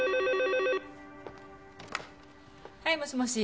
はいもしもし。